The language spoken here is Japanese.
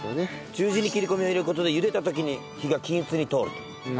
十字に切り込みを入れる事でゆでた時に火が均一に通ると。